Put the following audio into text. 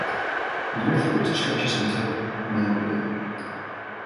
Northwards, it stretches until Mauguio.